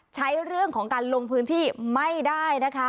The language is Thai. ใช้เรื่องของการลงพื้นที่ไม่ได้นะคะ